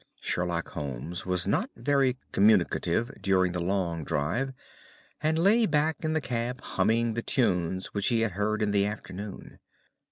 Sherlock Holmes was not very communicative during the long drive and lay back in the cab humming the tunes which he had heard in the afternoon.